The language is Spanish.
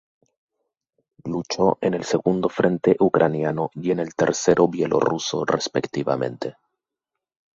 Luchó en el Segundo frente ucraniano y en el Tercero bielorruso respectivamente.